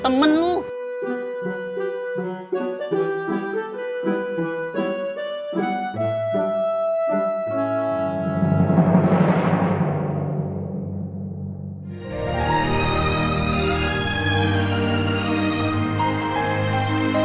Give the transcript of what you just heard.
tidak ada duit